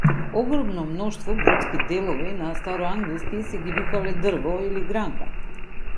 Огромно мноштво бродски делови на староанглиски си ги викале дрво или гранка.